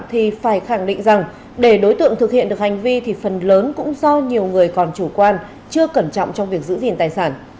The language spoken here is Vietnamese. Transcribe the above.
thì phải khẳng định rằng để đối tượng thực hiện được hành vi thì phần lớn cũng do nhiều người còn chủ quan chưa cẩn trọng trong việc giữ gìn tài sản